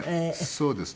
そうですね。